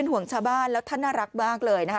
ห่วงชาวบ้านแล้วท่านน่ารักมากเลยนะคะ